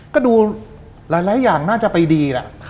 ก็ดูหลายอย่างน่าจะไปดีแหละ